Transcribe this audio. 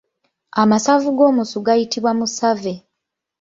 Amasavu g'omusu gayitibwa musave.